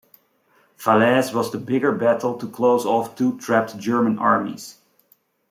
Falaise was the bigger battle to close off two trapped German armies.